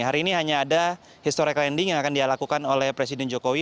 hari ini hanya ada historica landing yang akan dilakukan oleh presiden jokowi